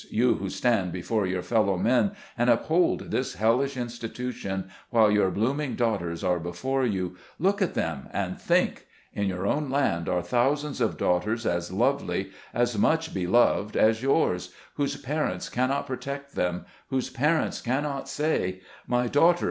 you who stand before your fellow men and uphold this hellish institution, while your blooming daughters are before you, look at them, and think !— in your own land are thousands of SEVERING OF FAMILY TIES. 207 daughters, as lovely, as much beloved, as yours, whose parents cannot protect them, whose parents cannot say, "My daughter!